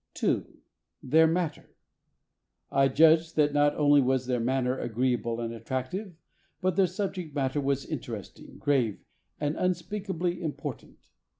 2. Their matter. I judge that not only was their manner agreeable and attractive, but their subject matter was interesting, grave, and unspeakably important.